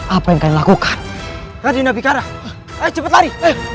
apa yang dilakukan tadi nabi karena cepet lagi